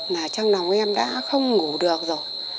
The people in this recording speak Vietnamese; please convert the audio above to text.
là trong nòng em đã không ngủ được rồi